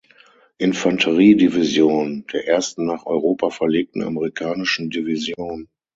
Infanterie-Division, der ersten nach Europa verlegten amerikanischen Division.